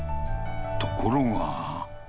ところが。